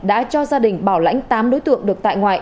đã cho gia đình bảo lãnh tám đối tượng được tại ngoại